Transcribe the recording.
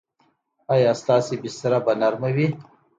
ایا ستاسو بستره به نرمه وي؟